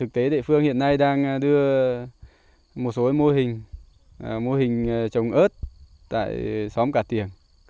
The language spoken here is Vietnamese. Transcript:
địa phương hiện nay đang đưa một số mô hình trồng ớt tại xóm cạt tiềng